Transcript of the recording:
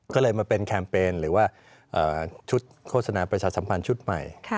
ก็เลยมาเป็นแคมเปญหรือว่าชุดโฆษณาประชาสัมพันธ์ชุดใหม่